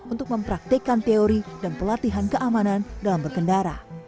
untuk mempraktekan teori dan pelatihan keamanan dalam berkendara